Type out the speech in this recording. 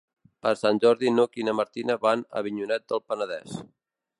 Per Sant Jordi n'Hug i na Martina van a Avinyonet del Penedès.